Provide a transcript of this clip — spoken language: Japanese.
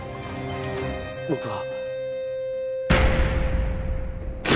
僕は。